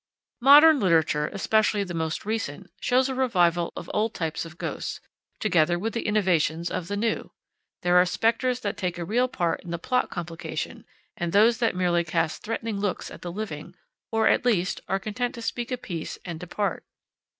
Modern literature, especially the most recent, shows a revival of old types of ghosts, together with the innovations of the new. There are specters that take a real part in the plot complication, and those that merely cast threatening looks at the living, or at least, are content to speak a piece and depart.